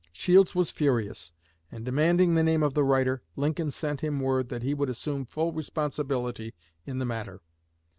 Shields was furious, and, demanding the name of the writer, Lincoln sent him word that he would assume full responsibility in the matter.